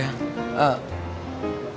gak ada apa apa